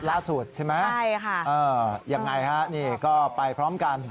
ล่าสุดใช่ไหมใช่ค่ะเออยังไงฮะนี่ก็ไปพร้อมกัน